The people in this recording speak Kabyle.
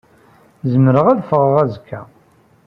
Zemreɣ ad ffɣeɣ azekka.